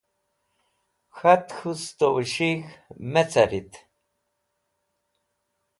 K̃hat K̃hu Sutowes̃hig̃h Mecarit